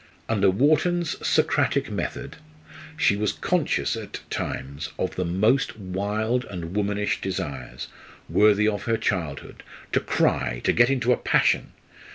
Under Wharton's Socratic method, she was conscious at times of the most wild and womanish desires, worthy of her childhood to cry, to go into a passion!